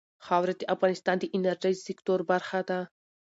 خاوره د افغانستان د انرژۍ سکتور برخه ده.